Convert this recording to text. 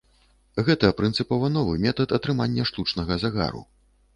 Гэта прынцыпова новы метад атрымання штучнага загару.